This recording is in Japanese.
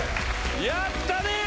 やったね！